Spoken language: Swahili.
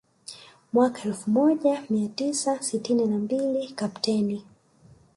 Mwaka elfu moja mia tisa sitini na mbili Kapteni